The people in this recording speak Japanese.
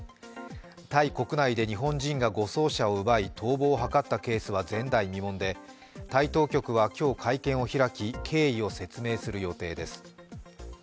タイ国内で日本人が護送車を奪い逃亡を図ったケースは前代未聞でタイ当局は今日会見を開き、経緯を説明する予定です。